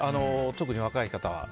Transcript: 特に若い方は。